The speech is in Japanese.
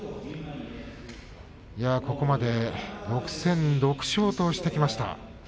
ここまで６戦６勝としてきました。